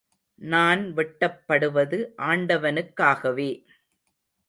நான் வெட்டப்படுவது ஆண்டவனுக்காகவே.